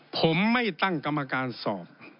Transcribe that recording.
ผมไม่ตั้งกรรมการสอบ